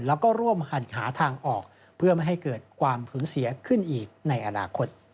แล้วก็ร่วมหัดหาทางออกเพื่อไม่ให้เกิดความผืนเสียขึ้นอีกในอนาคต